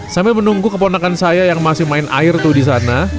sampai menunggu keponakan saya yang masih main air tuh disana